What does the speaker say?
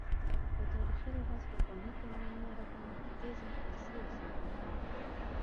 په تاریخي لحاظ پخواني کنعاني عربان ددې ځمکې اصلي اوسېدونکي وو.